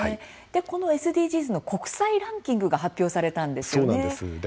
このＳＤＧｓの国際ランキングが発表されたんですよね。